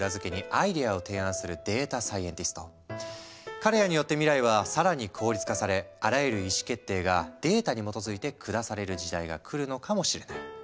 彼らによって未来は更に効率化されあらゆる意思決定がデータに基づいて下される時代がくるのかもしれない。